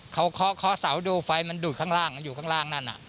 เขาเคาะเสาดูไฟมันดูดข้างล่างมันอยู่ข้างล่างนั่น